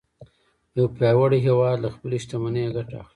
یو پیاوړی هیواد له خپلې شتمنۍ ګټه اخلي